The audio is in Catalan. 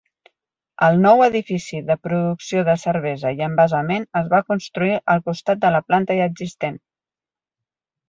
El nou edifici de producció de cervesa i envasament es va construir al costat de la planta ja existent.